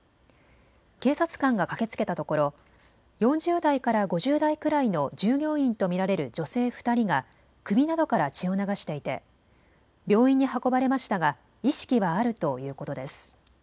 警察官が駆けつけたところ４０代から５０代くらいの従業員と見られる女性２人が首などから血を流していて病院に運ばれましたが意識はあるということです。